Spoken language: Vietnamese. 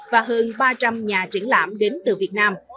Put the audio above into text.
và hơn ba trăm linh nhà triển lãm đến từ việt nam